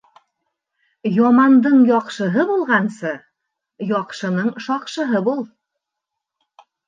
Ямандың яҡшыһы булғансы, яҡшының шаҡшыһы бул.